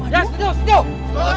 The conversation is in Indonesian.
ya setuju setuju